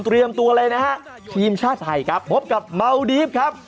ตัวเลยนะฮะทีมชาติไทยครับพบกับเมาดีฟครับ